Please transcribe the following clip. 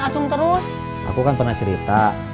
aku kan pernah cerita